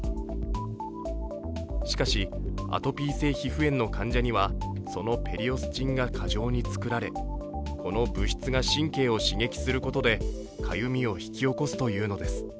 しかし、アトピー性皮膚炎の患者にはそのペリオスチンが過剰に作られ、この物質が神経を刺激することでかゆみを引き起こすというのです